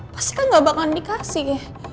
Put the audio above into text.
pasti kan gak bakalan dikasih